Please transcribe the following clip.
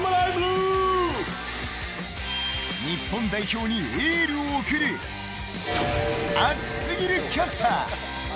日本代表にエールを送る熱すぎるキャスター。